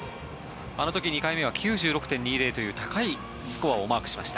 あの時は９６．２０という高いスコアをマークしました。